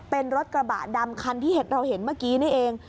เป็นรถกระบะดำคันที่เราเห็นเมื่อกี้นี่เอง